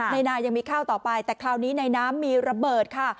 นายังมีข้าวต่อไปแต่คราวนี้ในน้ำมีระเบิดค่ะ